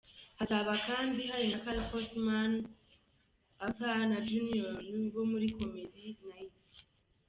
Hazaba kandi hari na Calpsoman, Arthur na Junior bo muri Komedi Nayiti.